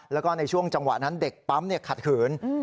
แล้วก็ในช่วงจังหวะนั้นเด็กปั๊มขัดขืน